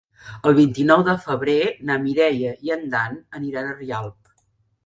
El vint-i-nou de febrer na Mireia i en Dan aniran a Rialp.